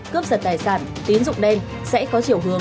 cướp giật tài sản tín dụng đen sẽ có chiều hướng